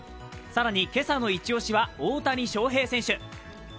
更に今朝のイチオシは大谷翔平選手。